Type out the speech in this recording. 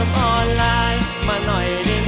ขอบคุณครับ